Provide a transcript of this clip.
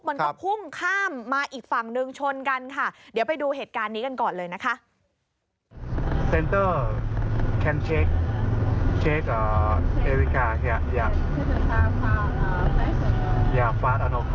มันก็พุ่งข้ามมาอีกฝั่งหนึ่งชนกันค่ะเดี๋ยวไปดูเหตุการณ์นี้กันก่อนเลยนะคะ